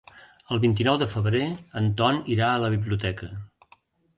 El vint-i-nou de febrer en Ton irà a la biblioteca.